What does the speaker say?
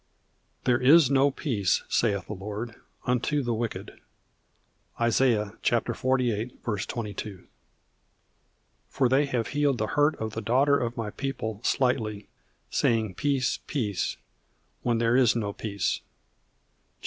There is no peace, saith the Lord, unto the wicked (Isaiah 48:22). For they have healed the hurt of the daughter of my people slightly, saying, Peace, peace; when there is no peace (Jer.